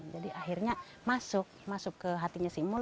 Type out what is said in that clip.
jadi akhirnya masuk ke hatinya si mul